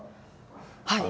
はい。